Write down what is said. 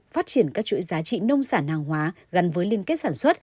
phát triển các chuỗi giá trị nông sản hàng hóa gắn với liên kết sản xuất